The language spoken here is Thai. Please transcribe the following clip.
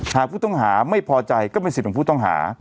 หากผู้ต้องหาไม่พอใจก็เป็นสิทธิ์ของผู้ต้องหา